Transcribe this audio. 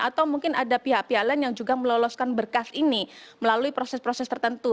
atau mungkin ada pihak pihak lain yang juga meloloskan berkas ini melalui proses proses tertentu